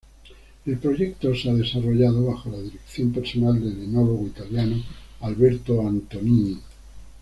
El proyecto se ha desarrollado bajo la dirección personal del enólogo italiano Alberto Antonini.